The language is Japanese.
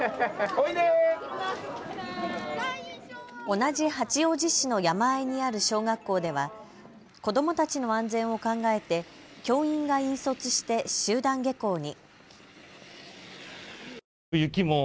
同じ八王子市の山あいにある小学校では子どもたちの安全を考えて教員が引率して集団下校に。